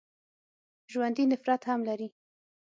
ژوندي نفرت هم لري